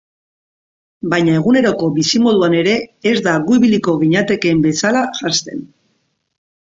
Baina eguneroko bizimoduan ere ez da gu ibiliko ginatekeen bezala janzten.